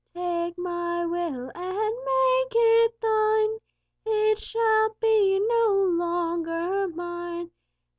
Take my will and make it Thine; It shall be no longer mine.